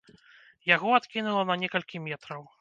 Яго адкінула на некалькі метраў.